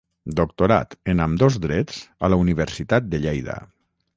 Doctorat en ambdós drets a la Universitat de Lleida.